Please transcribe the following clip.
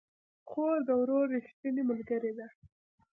خور د ورور ريښتينې ملګرې ده